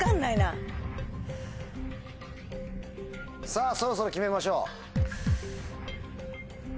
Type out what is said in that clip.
さぁそろそろ決めましょう。